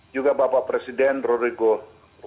juga bapak presiden rory goh